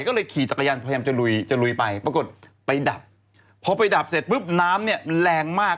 ก็เลยขี่จักรยานพยายามจะลุยจะลุยไปปรากฏไปดับพอไปดับเสร็จปุ๊บน้ำเนี่ยแรงมาก